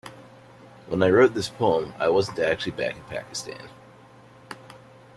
When I wrote this poem I wasn't actually back in Pakistan.